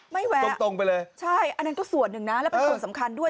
ไม่แวะไม่แวะใช่อันนั้นก็ส่วนหนึ่งนะแล้วเป็นคนสำคัญด้วย